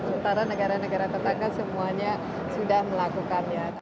sementara negara negara tetangga semuanya sudah melakukannya